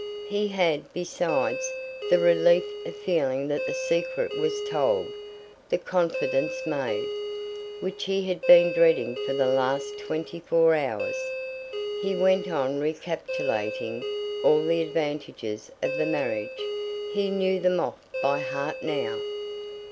He had, besides, the relief of feeling that the secret was told, the confidence made, which he had been dreading for the last twenty four hours. He went on recapitulating all the advantages of the marriage; he knew them off by heart now.